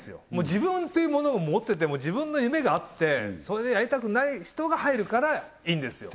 自分というものを持ってて自分の夢があってそれでやりたくない人が入るからいいんですよ